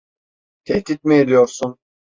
Tehdit mi ediyorsun?